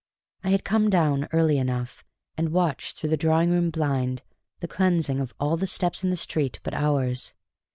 I had come down early enough, and watched through the drawing room blind the cleansing of all the steps in the street but ours.